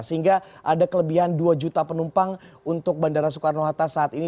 sehingga ada kelebihan dua juta penumpang untuk bandara soekarno hatta saat ini